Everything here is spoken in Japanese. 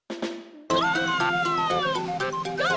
ゴー！